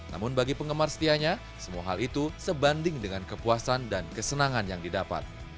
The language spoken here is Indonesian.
namun bagi penggemar setianya semua hal itu sebanding dengan kepuasan dan kesenangan yang didapat